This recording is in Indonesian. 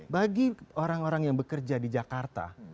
bagi orang orang yang bekerja di jakarta